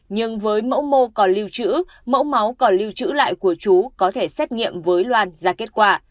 nhưng với mẫu mô còn lưu trữ mẫu máu còn lưu trữ lại của chú có thể xét nghiệm với loan ra kết quả